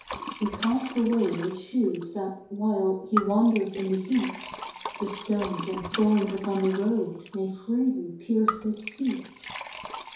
He cast away his shoes that, while He wanders in the heat, The stones and thorns upon the road May freely pierce his feet.